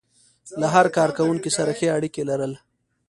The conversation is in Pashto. له هر کار کوونکي سره ښې اړيکې لرل.